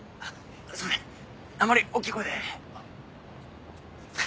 それあまり大きい声で。